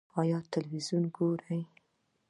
ایا تلویزیون ګورئ؟